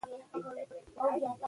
زده کوونکي ښايي وخت تنظیم کړي.